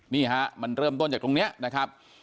นี่ฮะมันเริ่มต้นจากตรงนี้นะครับ